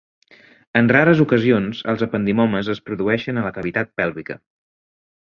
En rares ocasions, els ependimomes es produeixen a la cavitat pèlvica.